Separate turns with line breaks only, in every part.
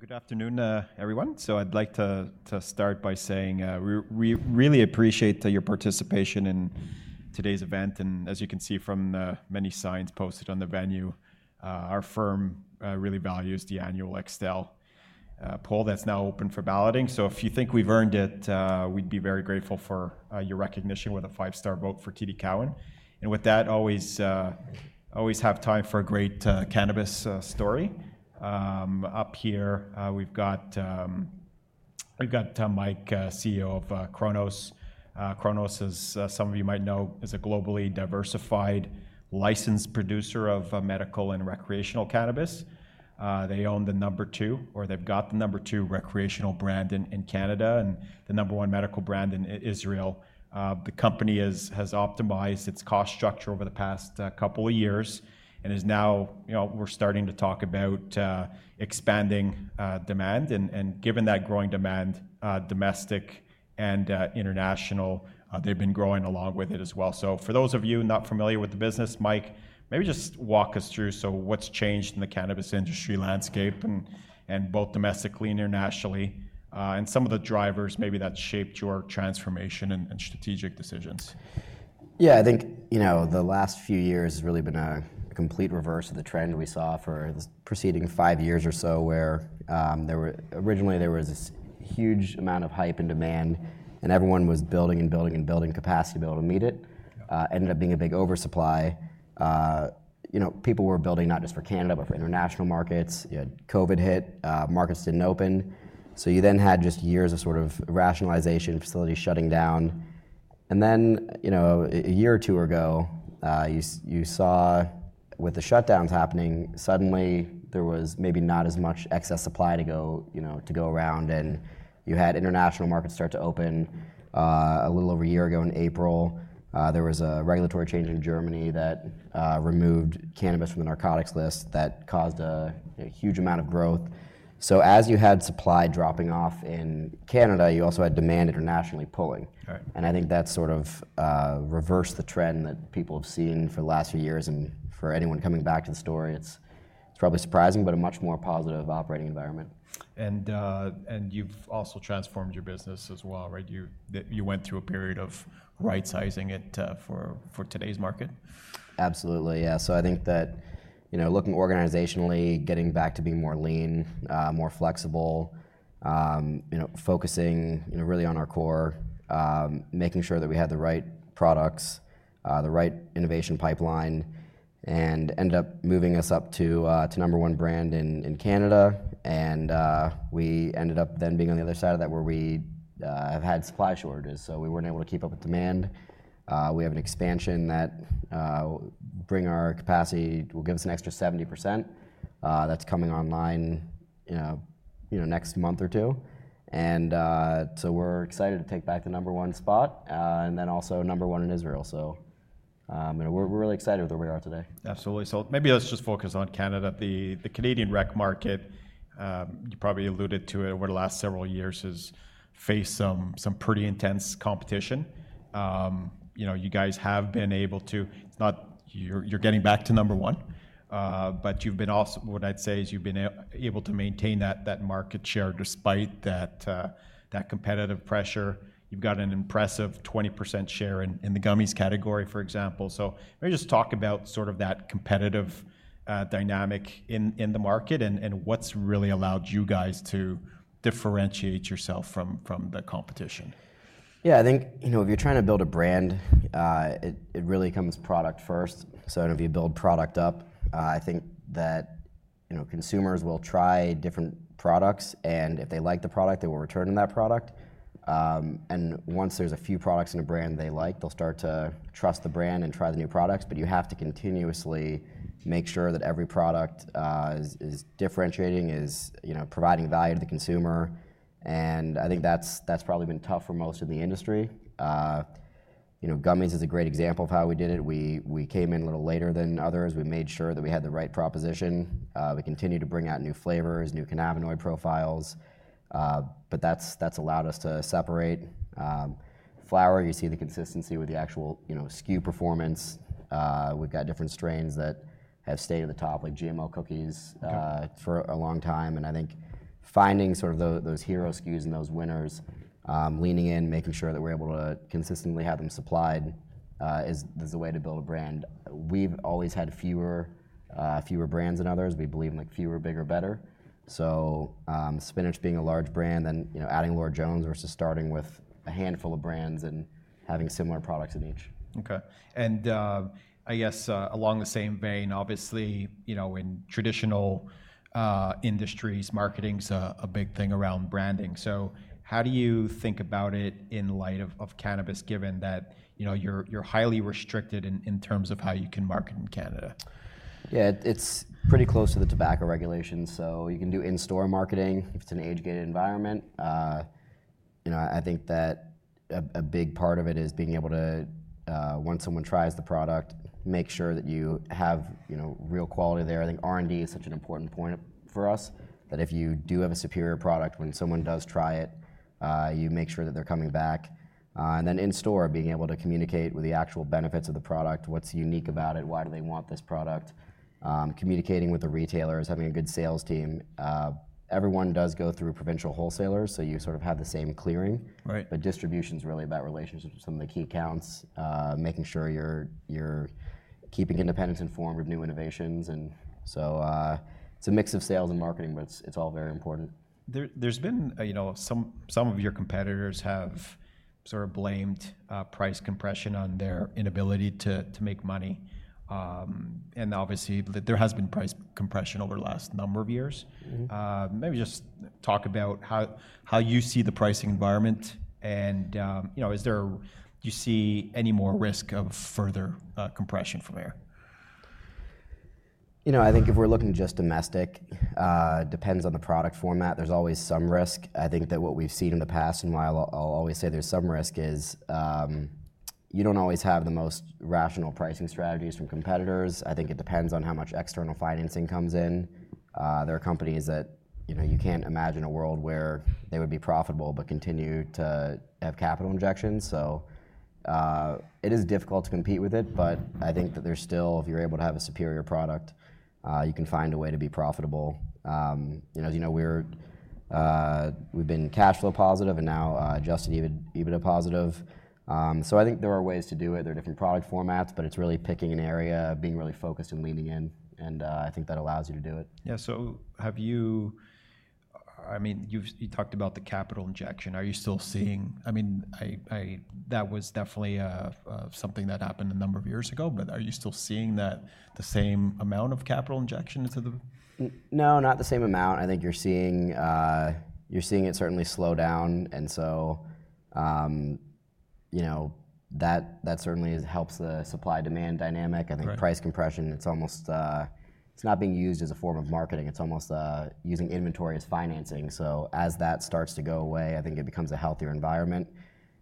Good afternoon, everyone. I'd like to start by saying we really appreciate your participation in today's event. As you can see from many signs posted on the venue, our firm really values the annual Excel poll that's now open for balloting. If you think we've earned it, we'd be very grateful for your recognition with a five-star vote for TD Cowen. With that, always have time for a great cannabis story. Up here, we've got Mike, CEO of Cronos Group. Cronos Group, as some of you might know, is a globally diversified licensed producer of medical and recreational cannabis. They own the number two recreational brand in Canada and the number one medical brand in Israel. The company has optimized its cost structure over the past couple of years and is now, we're starting to talk about expanding demand. Given that growing demand, domestic and international, they've been growing along with it as well. For those of you not familiar with the business, Mike, maybe just walk us through what's changed in the cannabis industry landscape both domestically and internationally, and some of the drivers maybe that shaped your transformation and strategic decisions.
Yeah, I think the last few years has really been a complete reverse of the trend we saw for the preceding five years or so, where originally there was this huge amount of hype and demand, and everyone was building and building and building capacity to be able to meet it. It ended up being a big oversupply. People were building not just for Canada, but for international markets. You had COVID hit, markets did not open. You then had just years of sort of rationalization, facilities shutting down. A year or two ago, you saw with the shutdowns happening, suddenly there was maybe not as much excess supply to go around. You had international markets start to open. A little over a year ago in April, there was a regulatory change in Germany that removed cannabis from the narcotics list that caused a huge amount of growth. As you had supply dropping off in Canada, you also had demand internationally pulling. I think that's sort of reversed the trend that people have seen for the last few years. For anyone coming back to the story, it's probably surprising, but a much more positive operating environment. You have also transformed your business as well, right? You went through a period of right-sizing it for today's market. Absolutely, yeah. I think that looking organizationally, getting back to being more lean, more flexible, focusing really on our core, making sure that we had the right products, the right innovation pipeline, ended up moving us up to number one brand in Canada. We ended up then being on the other side of that where we have had supply shortages, so we were not able to keep up with demand. We have an expansion that will bring our capacity, will give us an extra 70%. That is coming online next month or two. We are excited to take back the number one spot and also number one in Israel. We are really excited with where we are today. Absolutely. Maybe let's just focus on Canada. The Canadian rec market, you probably alluded to it over the last several years, has faced some pretty intense competition. You guys have been able to, not you're getting back to number one, but what I'd say is you've been able to maintain that market share despite that competitive pressure. You've got an impressive 20% share in the gummies category, for example. Maybe just talk about sort of that competitive dynamic in the market and what's really allowed you guys to differentiate yourself from the competition. Yeah, I think if you're trying to build a brand, it really comes product first. If you build product up, I think that consumers will try different products. If they like the product, they will return to that product. Once there's a few products in a brand they like, they'll start to trust the brand and try the new products. You have to continuously make sure that every product is differentiating, is providing value to the consumer. I think that's probably been tough for most of the industry. Gummies is a great example of how we did it. We came in a little later than others. We made sure that we had the right proposition. We continue to bring out new flavors, new cannabinoid profiles. That's allowed us to separate. Flower, you see the consistency with the actual SKU performance. We've got different strains that have stayed at the top, like GMO Cookies, for a long time. I think finding sort of those hero SKUs and those winners, leaning in, making sure that we're able to consistently have them supplied is the way to build a brand. We've always had fewer brands than others. We believe in fewer, bigger, better. Spinach being a large brand, then adding Lord Jones versus starting with a handful of brands and having similar products in each. Okay. I guess along the same vein, obviously, in traditional industries, marketing is a big thing around branding. How do you think about it in light of cannabis, given that you're highly restricted in terms of how you can market in Canada? Yeah, it's pretty close to the tobacco regulations. You can do in-store marketing if it's an age-gated environment. I think that a big part of it is being able to, once someone tries the product, make sure that you have real quality there. I think R&D is such an important point for us that if you do have a superior product, when someone does try it, you make sure that they're coming back. In-store, being able to communicate with the actual benefits of the product, what's unique about it, why do they want this product, communicating with the retailers, having a good sales team. Everyone does go through provincial wholesalers, so you sort of have the same clearing. Distribution is really about relationships with some of the key accounts, making sure you're keeping independents informed with new innovations. It's a mix of sales and marketing, but it's all very important. There's been some of your competitors have sort of blamed price compression on their inability to make money. Obviously, there has been price compression over the last number of years. Maybe just talk about how you see the pricing environment. Do you see any more risk of further compression from there? You know, I think if we're looking just domestic, it depends on the product format. There's always some risk. I think that what we've seen in the past, and I'll always say there's some risk, is you don't always have the most rational pricing strategies from competitors. I think it depends on how much external financing comes in. There are companies that you can't imagine a world where they would be profitable but continue to have capital injections. It is difficult to compete with it, but I think that there's still, if you're able to have a superior product, you can find a way to be profitable. As you know, we've been cash flow positive and now adjusted EBITDA positive. I think there are ways to do it. There are different product formats, but it's really picking an area, being really focused and leaning in. I think that allows you to do it. Yeah. So have you, I mean, you talked about the capital injection. Are you still seeing, I mean, that was definitely something that happened a number of years ago, but are you still seeing the same amount of capital injection into the? No, not the same amount. I think you're seeing it certainly slow down. That certainly helps the supply-demand dynamic. I think price compression, it's not being used as a form of marketing. It's almost using inventory as financing. As that starts to go away, I think it becomes a healthier environment.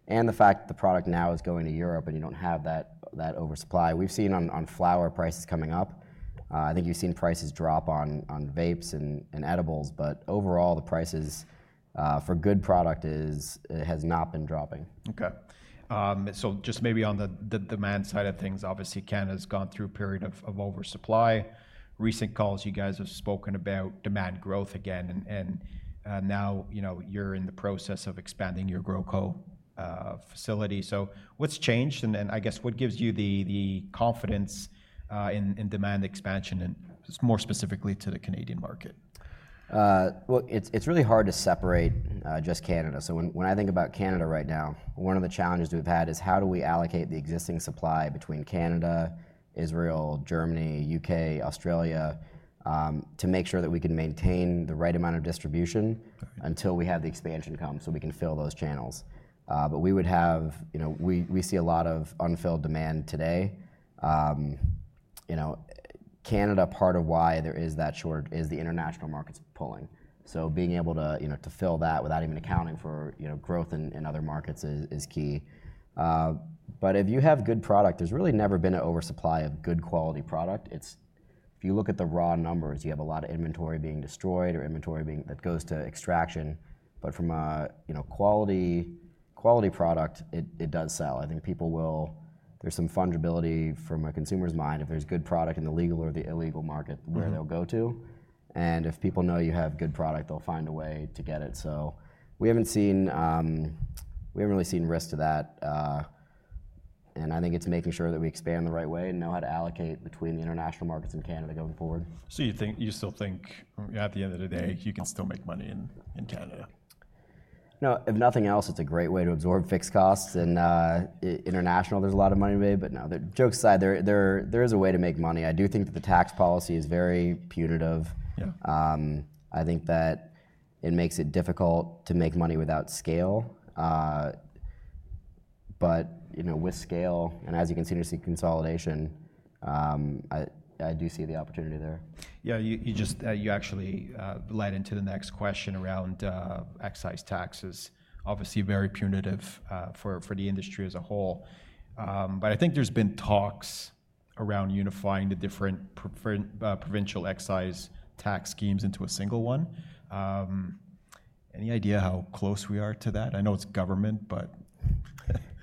The fact that the product now is going to Europe and you do not have that oversupply. We've seen on flower prices coming up. I think you've seen prices drop on vapes and edibles, but overall, the prices for good product have not been dropping. Okay. So just maybe on the demand side of things, obviously, Canada has gone through a period of oversupply. Recent calls, you guys have spoken about demand growth again. Now you're in the process of expanding your GrowCo facility. What's changed? I guess what gives you the confidence in demand expansion and more specifically to the Canadian market? It's really hard to separate just Canada. When I think about Canada right now, one of the challenges we've had is how do we allocate the existing supply between Canada, Israel, Germany, U.K., Australia to make sure that we can maintain the right amount of distribution until we have the expansion come so we can fill those channels. We see a lot of unfilled demand today. Canada, part of why there is that short is the international markets pulling. Being able to fill that without even accounting for growth in other markets is key. If you have good product, there's really never been an oversupply of good quality product. If you look at the raw numbers, you have a lot of inventory being destroyed or inventory that goes to extraction. From a quality product, it does sell. I think people will, there's some fungibility from a consumer's mind if there's good product in the legal or the illegal market where they'll go to. If people know you have good product, they'll find a way to get it. We haven't really seen risk to that. I think it's making sure that we expand the right way and know how to allocate between the international markets and Canada going forward. You still think at the end of the day, you can still make money in Canada? No, if nothing else, it's a great way to absorb fixed costs. International, there's a lot of money made. No, jokes aside, there is a way to make money. I do think that the tax policy is very punitive. I think that it makes it difficult to make money without scale. With scale, and as you can see, there's consolidation, I do see the opportunity there. Yeah, you actually led into the next question around excise taxes. Obviously, very punitive for the industry as a whole. I think there's been talks around unifying the different provincial excise tax schemes into a single one. Any idea how close we are to that? I know it's government, but.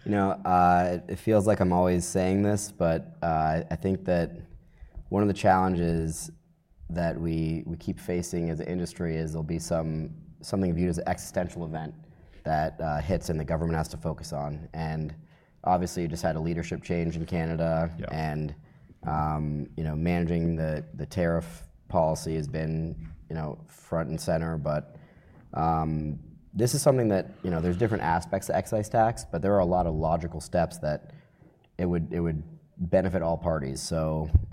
You know, it feels like I'm always saying this, but I think that one of the challenges that we keep facing as an industry is there'll be something viewed as an existential event that hits and the government has to focus on. Obviously, you just had a leadership change in Canada. Managing the tariff policy has been front and center. This is something that there's different aspects to excise tax, but there are a lot of logical steps that it would benefit all parties.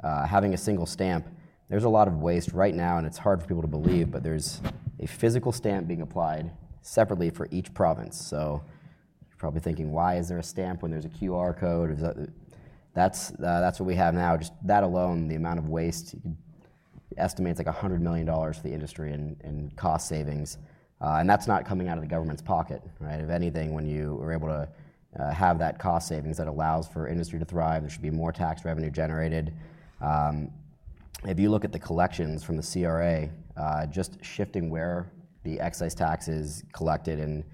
Having a single stamp, there's a lot of waste right now, and it's hard for people to believe, but there's a physical stamp being applied separately for each province. You're probably thinking, why is there a stamp when there's a QR code? That's what we have now. Just that alone, the amount of waste estimates like $100 million for the industry in cost savings. That is not coming out of the government's pocket, right? If anything, when you are able to have that cost savings that allows for industry to thrive, there should be more tax revenue generated. If you look at the collections from the CRA, just shifting where the excise tax is collected and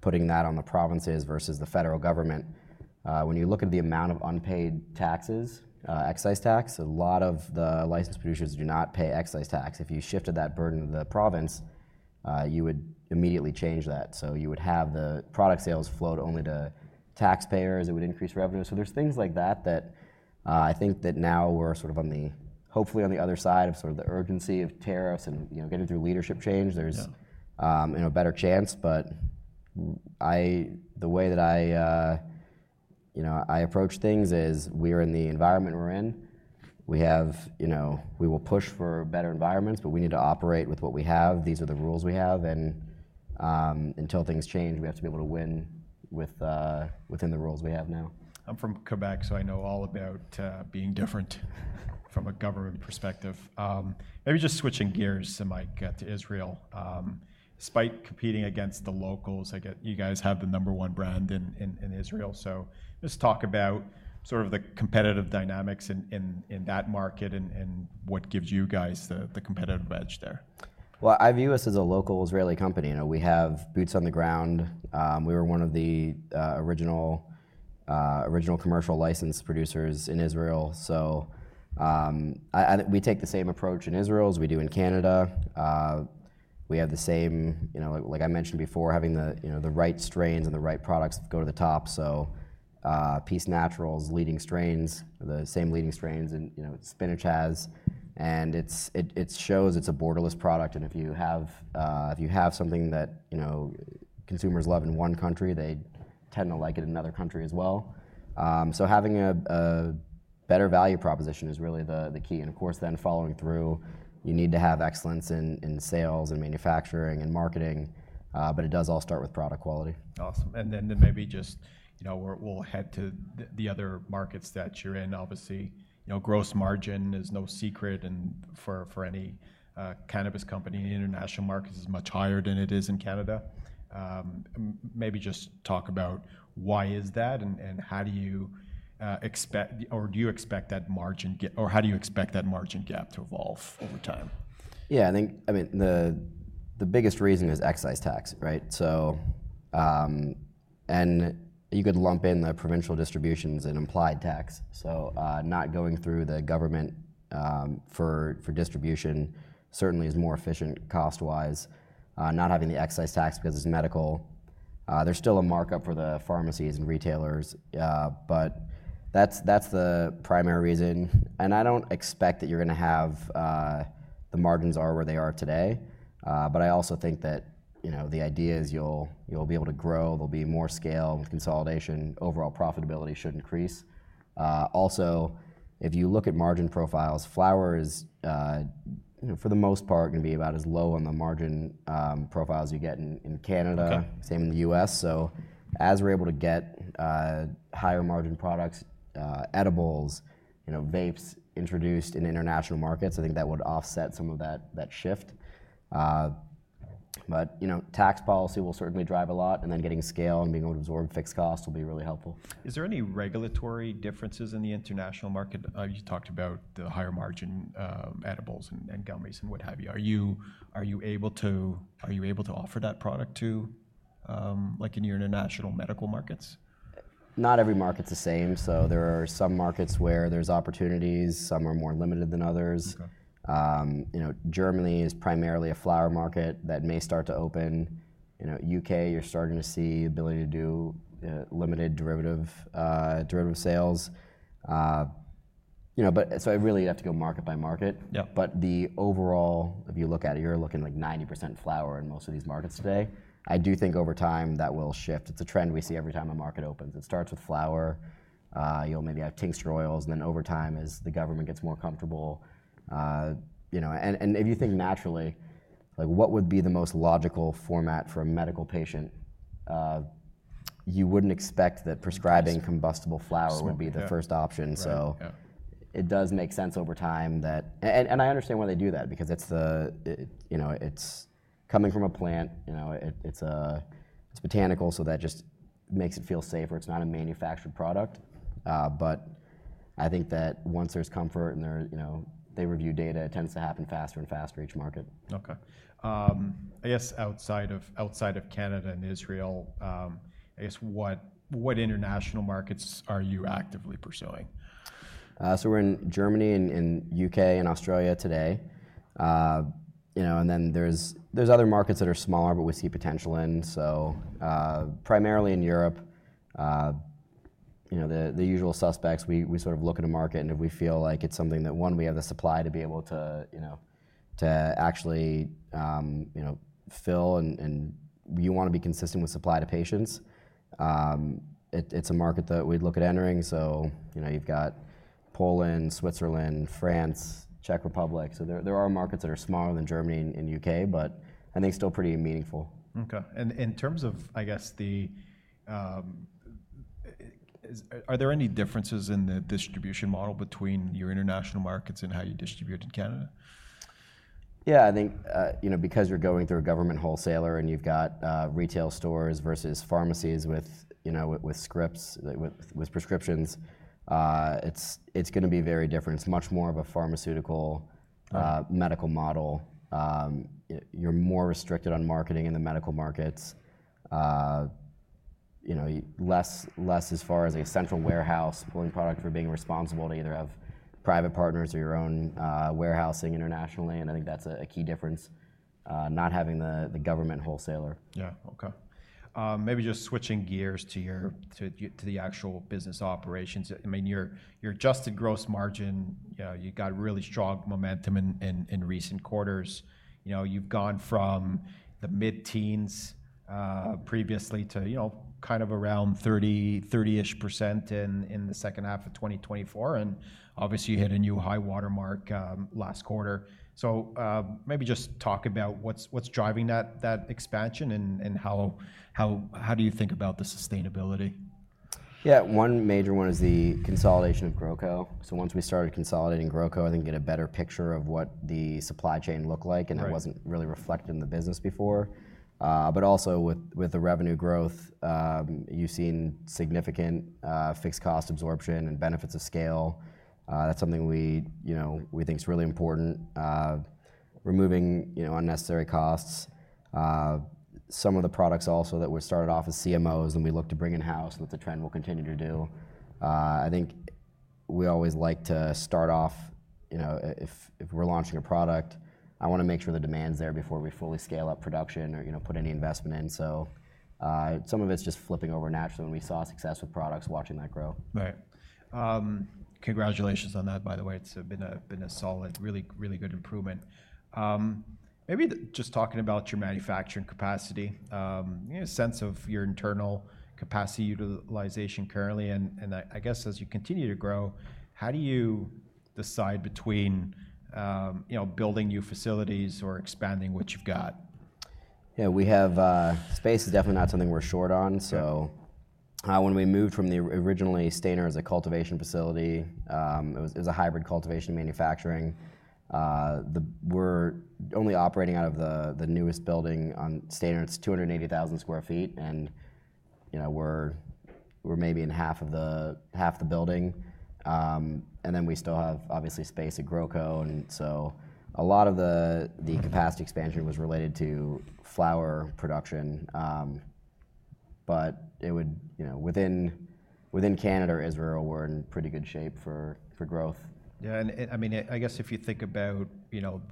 putting that on the provinces versus the federal government, when you look at the amount of unpaid taxes, excise tax, a lot of the licensed producers do not pay excise tax. If you shifted that burden to the province, you would immediately change that. You would have the product sales flowed only to taxpayers. It would increase revenue. There's things like that that I think that now we're sort of hopefully on the other side of sort of the urgency of tariffs and getting through leadership change. There's a better chance, but the way that I approach things is we are in the environment we're in. We will push for better environments, but we need to operate with what we have. These are the rules we have. Until things change, we have to be able to win within the rules we have now. I'm from Quebec, so I know all about being different from a government perspective. Maybe just switching gears to Israel. Despite competing against the locals, you guys have the number one brand in Israel. Let's talk about sort of the competitive dynamics in that market and what gives you guys the competitive edge there. I view us as a local Israeli company. We have boots on the ground. We were one of the original commercial licensed producers in Israel. We take the same approach in Israel as we do in Canada. We have the same, like I mentioned before, having the right strains and the right products go to the top. Peace Naturals' leading strains are the same leading strains Spinach has. It shows it is a borderless product. If you have something that consumers love in one country, they tend to like it in another country as well. Having a better value proposition is really the key. Of course, following through, you need to have excellence in sales and manufacturing and marketing, but it does all start with product quality. Awesome. Maybe just we'll head to the other markets that you're in. Obviously, gross margin is no secret. For any cannabis company, international markets is much higher than it is in Canada. Maybe just talk about why is that and how do you expect, or do you expect that margin, or how do you expect that margin gap to evolve over time? Yeah, I think the biggest reason is excise tax, right? You could lump in the provincial distributions and implied tax. Not going through the government for distribution certainly is more efficient cost-wise. Not having the excise tax because it's medical, there's still a markup for the pharmacies and retailers, but that's the primary reason. I don't expect that you're going to have the margins are where they are today. I also think that the idea is you'll be able to grow. There'll be more scale and consolidation. Overall profitability should increase. Also, if you look at margin profiles, flower is for the most part going to be about as low on the margin profiles you get in Canada, same in the U.S. As we're able to get higher margin products, edibles, vapes introduced in international markets, I think that would offset some of that shift. Tax policy will certainly drive a lot. And then getting scale and being able to absorb fixed costs will be really helpful. Is there any regulatory differences in the international market? You talked about the higher margin edibles and gummies and what have you. Are you able to offer that product to like in your international medical markets? Not every market's the same. There are some markets where there's opportunities. Some are more limited than others. Germany is primarily a flower market that may start to open. U.K., you're starting to see the ability to do limited derivative sales. I really have to go market by market. The overall, if you look at it, you're looking at like 90% flower in most of these markets today. I do think over time that will shift. It's a trend we see every time a market opens. It starts with flower. You'll maybe have tincture oils. Over time as the government gets more comfortable. If you think naturally, what would be the most logical format for a medical patient? You wouldn't expect that prescribing combustible flower would be the first option. It does make sense over time that, and I understand why they do that because it's coming from a plant. It's botanical, so that just makes it feel safer. It's not a manufactured product. I think that once there's comfort and they review data, it tends to happen faster and faster each market. Okay. I guess outside of Canada and Israel, I guess what international markets are you actively pursuing? We're in Germany and U.K. and Australia today. Then there's other markets that are smaller but we see potential in. Primarily in Europe, the usual suspects, we sort of look at a market and if we feel like it's something that, one, we have the supply to be able to actually fill and you want to be consistent with supply to patients, it's a market that we'd look at entering. You've got Poland, Switzerland, France, Czech Republic. There are markets that are smaller than Germany and U.K., but I think still pretty meaningful. Okay. And in terms of, I guess, are there any differences in the distribution model between your international markets and how you distribute in Canada? Yeah, I think because you're going through a government wholesaler and you've got retail stores versus pharmacies with scripts, with prescriptions, it's going to be very different. It's much more of a pharmaceutical medical model. You're more restricted on marketing in the medical markets, less as far as a central warehouse pulling product for being responsible to either have private partners or your own warehousing internationally. I think that's a key difference, not having the government wholesaler. Yeah. Okay. Maybe just switching gears to the actual business operations. I mean, your adjusted gross margin, you've got really strong momentum in recent quarters. You've gone from the mid-teens previously to kind of around 30% in the second half of 2024. Obviously, you hit a new high watermark last quarter. Maybe just talk about what's driving that expansion and how do you think about the sustainability? Yeah. One major one is the consolidation of GrowCo. Once we started consolidating GrowCo, I think you get a better picture of what the supply chain looked like and it was not really reflected in the business before. Also, with the revenue growth, you have seen significant fixed cost absorption and benefits of scale. That is something we think is really important, removing unnecessary costs. Some of the products also that were started off as CMOs and we look to bring in-house, that is a trend we will continue to do. I think we always like to start off, if we are launching a product, I want to make sure the demand is there before we fully scale up production or put any investment in. Some of it is just flipping over naturally when we saw success with products, watching that grow. Right. Congratulations on that, by the way. It's been a solid, really, really good improvement. Maybe just talking about your manufacturing capacity, you have a sense of your internal capacity utilization currently. I guess as you continue to grow, how do you decide between building new facilities or expanding what you've got? Yeah, we have space is definitely not something we're short on. When we moved from the originally Staynor as a cultivation facility, it was a hybrid cultivation manufacturing. We're only operating out of the newest building on Staynor. It's 280,000 sq ft and we're maybe in half of the building. We still have obviously space at GrowCo. A lot of the capacity expansion was related to flower production. Within Canada or Israel, we're in pretty good shape for growth. Yeah. I mean, I guess if you think about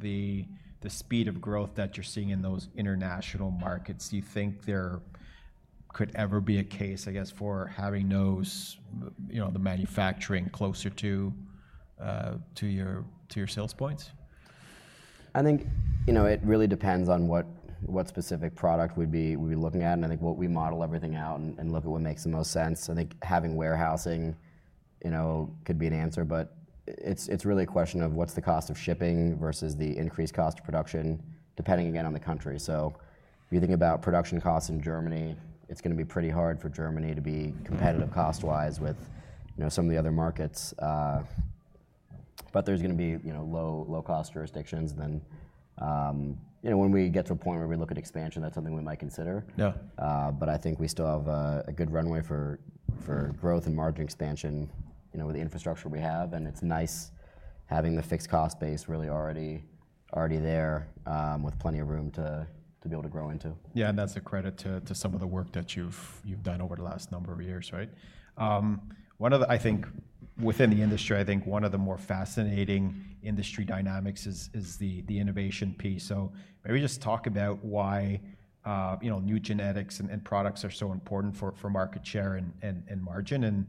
the speed of growth that you're seeing in those international markets, do you think there could ever be a case, I guess, for having the manufacturing closer to your sales points? I think it really depends on what specific product we'd be looking at. I think when we model everything out and look at what makes the most sense, having warehousing could be an answer, but it's really a question of what's the cost of shipping versus the increased cost of production, depending again on the country. If you think about production costs in Germany, it's going to be pretty hard for Germany to be competitive cost-wise with some of the other markets. There are going to be low-cost jurisdictions. When we get to a point where we look at expansion, that's something we might consider. I think we still have a good runway for growth and margin expansion with the infrastructure we have. It's nice having the fixed cost base really already there with plenty of room to be able to grow into. Yeah. That is a credit to some of the work that you have done over the last number of years, right? I think within the industry, one of the more fascinating industry dynamics is the innovation piece. Maybe just talk about why new genetics and products are so important for market share and margin.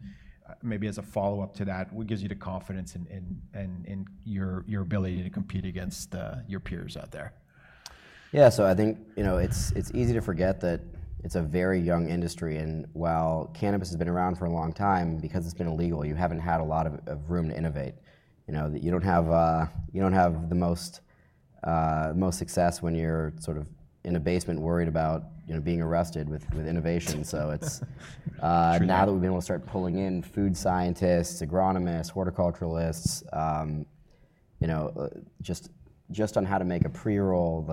Maybe as a follow-up to that, what gives you the confidence in your ability to compete against your peers out there? Yeah. I think it's easy to forget that it's a very young industry. And while cannabis has been around for a long time, because it's been illegal, you haven't had a lot of room to innovate. You don't have the most success when you're sort of in a basement worried about being arrested with innovation. Now that we've been able to start pulling in food scientists, agronomists, horticulturalists, just on how to make a pre-roll,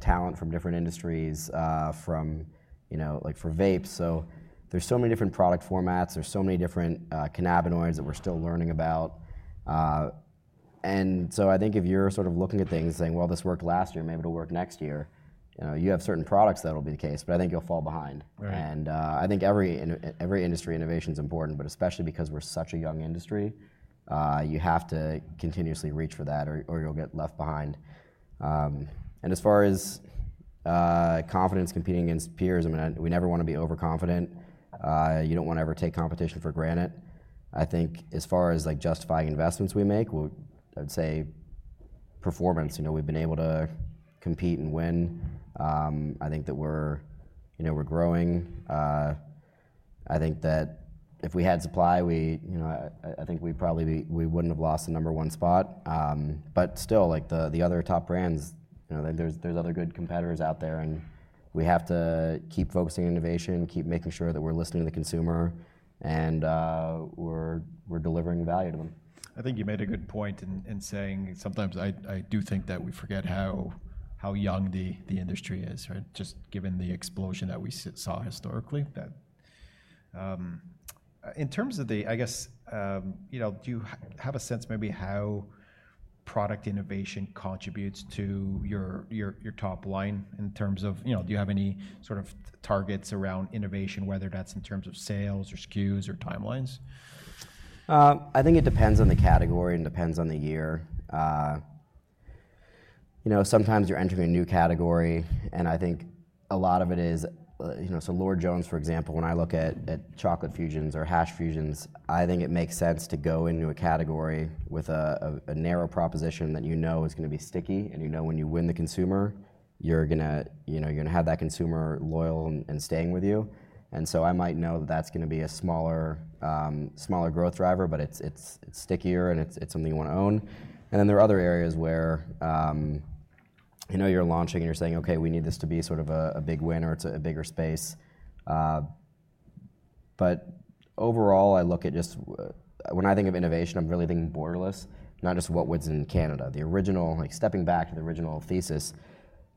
talent from different industries, like for vapes. There are so many different product formats. There are so many different cannabinoids that we're still learning about. I think if you're sort of looking at things and saying, "Well, this worked last year, maybe it'll work next year," you have certain products that'll be the case, but I think you'll fall behind. I think every industry innovation is important, but especially because we're such a young industry, you have to continuously reach for that or you'll get left behind. As far as confidence competing against peers, I mean, we never want to be overconfident. You don't want to ever take competition for granted. I think as far as justifying investments we make, I would say performance. We've been able to compete and win. I think that we're growing. I think that if we had supply, I think we probably wouldn't have lost the number one spot. Still, like the other top brands, there's other good competitors out there. We have to keep focusing on innovation, keep making sure that we're listening to the consumer, and we're delivering value to them. I think you made a good point in saying sometimes I do think that we forget how young the industry is, just given the explosion that we saw historically. In terms of the, I guess, do you have a sense maybe how product innovation contributes to your top line in terms of, do you have any sort of targets around innovation, whether that's in terms of sales or SKUs or timelines? I think it depends on the category and depends on the year. Sometimes you're entering a new category. I think a lot of it is, so Lord Jones, for example, when I look at chocolate fusions or hash fusions, I think it makes sense to go into a category with a narrow proposition that you know is going to be sticky and you know when you win the consumer, you're going to have that consumer loyal and staying with you. I might know that that's going to be a smaller growth driver, but it's stickier and it's something you want to own. There are other areas where you're launching and you're saying, "Okay, we need this to be sort of a big winner. It's a bigger space." Overall, I look at just when I think of innovation, I'm really thinking borderless, not just what was in Canada. Stepping back to the original thesis,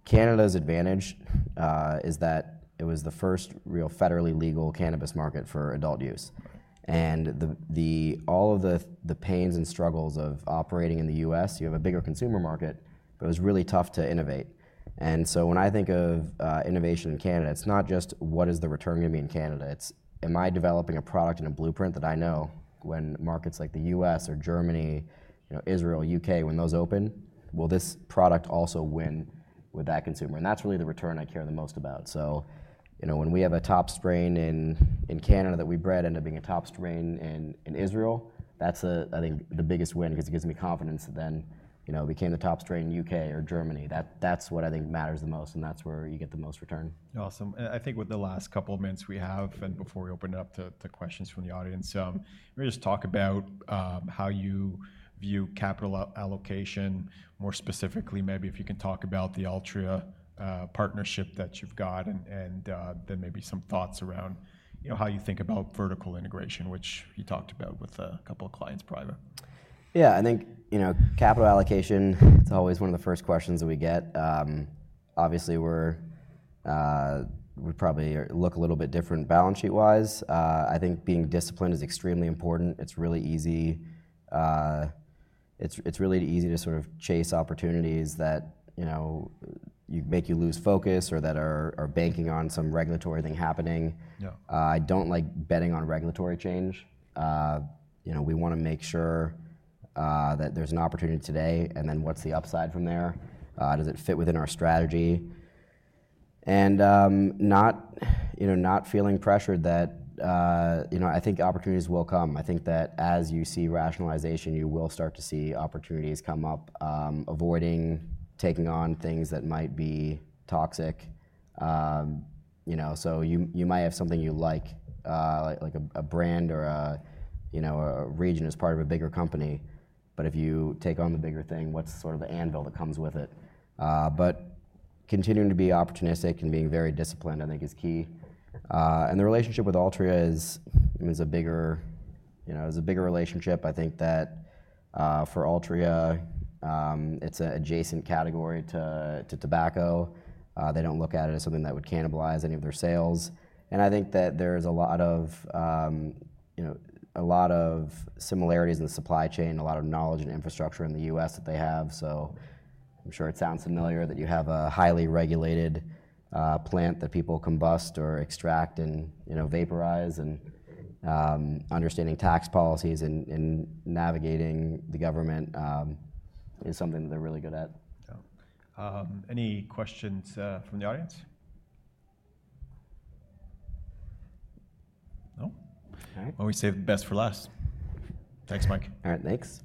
Canada's advantage is that it was the first real federally legal cannabis market for adult use. All of the pains and struggles of operating in the U.S., you have a bigger consumer market, but it was really tough to innovate. When I think of innovation in Canada, it's not just what is the return going to be in Canada. It's, am I developing a product in a blueprint that I know when markets like the U.S. or Germany, Israel, U.K., when those open, will this product also win with that consumer? That's really the return I care the most about. When we have a top strain in Canada that we bred ended up being a top strain in Israel, that's I think the biggest win because it gives me confidence that then it became the top strain in the U.K. or Germany. That's what I think matters the most and that's where you get the most return. Awesome. I think with the last couple of minutes we have before we open it up to questions from the audience, let me just talk about how you view capital allocation, more specifically, maybe if you can talk about the Altria partnership that you've got and then maybe some thoughts around how you think about vertical integration, which you talked about with a couple of clients prior. Yeah. I think capital allocation, it's always one of the first questions that we get. Obviously, we probably look a little bit different balance sheet-wise. I think being disciplined is extremely important. It's really easy to sort of chase opportunities that make you lose focus or that are banking on some regulatory thing happening. I don't like betting on regulatory change. We want to make sure that there's an opportunity today and then what's the upside from there? Does it fit within our strategy? Not feeling pressured that I think opportunities will come. I think that as you see rationalization, you will start to see opportunities come up, avoiding taking on things that might be toxic. You might have something you like, like a brand or a region as part of a bigger company. If you take on the bigger thing, what's sort of the anvil that comes with it? Continuing to be opportunistic and being very disciplined, I think is key. The relationship with Altria is a bigger relationship. I think that for Altria, it's an adjacent category to tobacco. They do not look at it as something that would cannibalize any of their sales. I think that there are a lot of similarities in the supply chain, a lot of knowledge and infrastructure in the U.S. that they have. I am sure it sounds familiar that you have a highly regulated plant that people combust or extract and vaporize. Understanding tax policies and navigating the government is something that they are really good at. Any questions from the audience? No? All right. We save the best for last. Thanks, Mike. All right. Thanks.